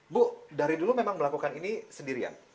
bu dari dulu memang melakukan ini sendirian